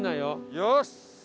よし。